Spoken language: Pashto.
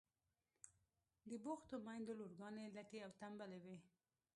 د بوختو میندو لورگانې لټې او تنبلې وي.